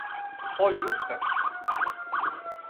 Pojuca